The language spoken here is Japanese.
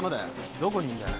どこにいんだよ。